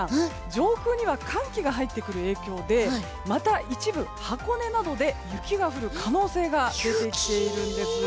上空には寒気が入ってくる影響でまた一部、箱根などで雪が降る可能性が出てきているんです。